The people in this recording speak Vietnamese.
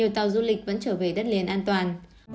sau du lịch vẫn trở về đất liền an toàn